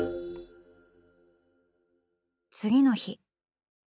次の日。